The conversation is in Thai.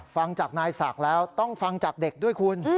ฟังจากนายศักดิ์แล้วต้องฟังจากเด็กด้วยคุณ